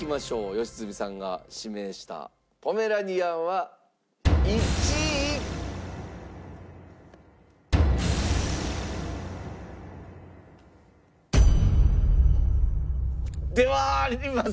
良純さんが指名したポメラニアンは１位？ではありません。